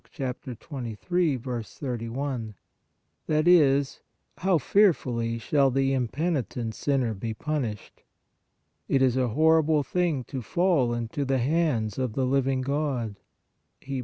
(Luke 2 3 3 Z ) that is, how fearfully shall the impenitent sinner be punished !" It is a horrible thing to fall into the hands of the living God" (Hebr.